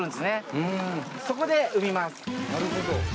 なるほど。